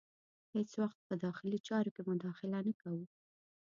هیڅ وخت به په داخلي چارو کې مداخله نه کوو.